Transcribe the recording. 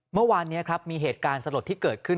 เมื่อวานนี้ครับมีเหตุการณ์สลดที่เกิดขึ้น